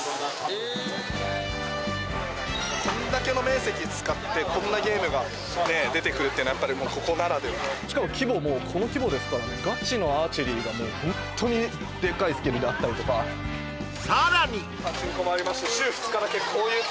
えっこんだけの面積使ってこんなゲームが出てくるってのはやっぱりここならではしかも規模もこの規模ですからねガチのアーチェリーがもうホントにデカいスケールであったりとかパチンコもありましてえっ